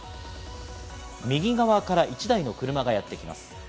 右側から１台の車がやってきます。